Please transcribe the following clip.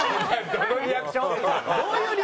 どういうリアクション？